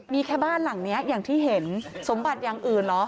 มีแค่บ้านหลังนี้อย่างที่เห็นสมบัติอย่างอื่นเหรอ